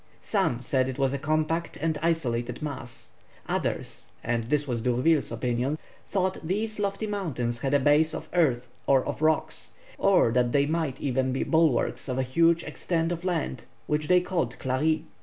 Some said it was a compact and isolated mass, others and this was D'Urville's opinion thought these lofty mountains had a base of earth or of rocks, or that they might even be the bulwarks of a huge extent of land which they called Clarie.